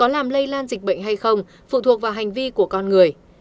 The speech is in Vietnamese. làm lây lan dịch bệnh hay không phụ thuộc vào hành vi của con người